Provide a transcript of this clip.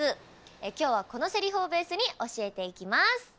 今日はこのせりふをベースに教えていきます。